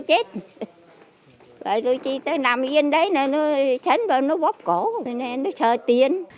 rồi chị nằm yên đấy nó thấn vào nó bóp cổ nên nó sợ tiền